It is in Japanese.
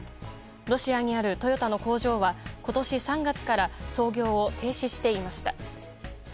ロシアにあるトヨタの工場は今年３月から操業を停止していました。